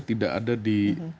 tidak ada di